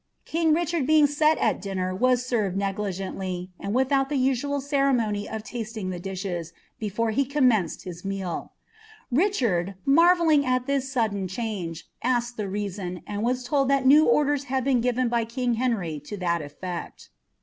* bchard being eet at dinner was served negligently, and without (■1 ceremony of lasting the dishes, before he commenced his ftichonl, marvelling at this sudden change, asked the reason, and ll that new orders had been given by king Henry to that efTecl.